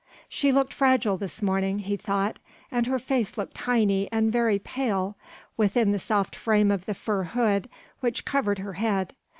She looked fragile this morning, he thought, and her face looked tiny and very pale within the soft frame of the fur hood which covered her head.